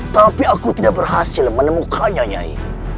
tapi aku tidak berhasil menemukannya nyai